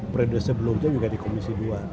periode sebelumnya juga di komisi dua